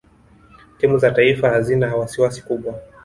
timu za taifa hazina wasiwasi kubwa